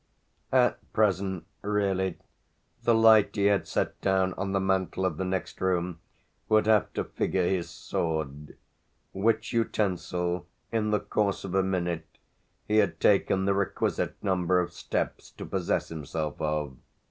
At present, really, the light he had set down on the mantel of the next room would have to figure his sword; which utensil, in the course of a minute, he had taken the requisite number of steps to possess himself of.